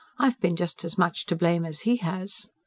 I've been just as much to blame as he has."